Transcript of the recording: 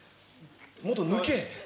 もっと抜け！